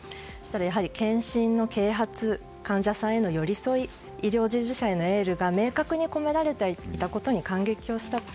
やはり検診の啓発患者さんへの寄り添い医療従事者へのエールが明確に込められていたことに感激をしたと。